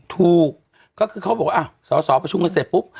ถูกก็คือเขาบอกว่าสอสอประชุมกันเสร็จปุ๊บ